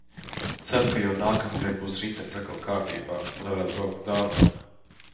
Ceru, ka jau nākamnedēļ būs ritenis atkal kārtībā, lai varētu braukt uz darbu.